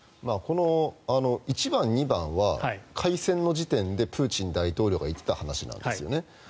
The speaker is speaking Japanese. この１番、２番は開戦の時点でプーチン大統領が言っていた話なんですよね。